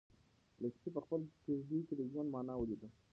لښتې په خپله کيږدۍ کې د ژوند مانا ولیده.